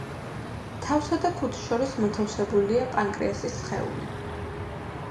თავსა და კუდს შორის მოთავსებულია პანკრეასის სხეული.